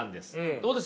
どうです？